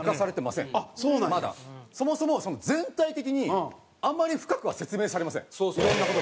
そもそも全体的にあんまり深くは説明されませんいろんな事が。